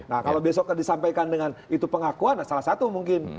nah kalau besok disampaikan dengan itu pengakuan salah satu mungkin